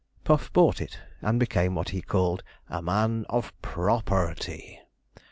Puff bought it, and became what he called 'a man of p r o r perty.'